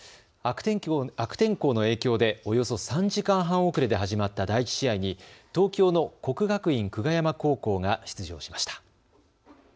悪天候の影響でおよそ３時間半遅れで始まった第１試合に東京の国学院久我山高校が出場しました。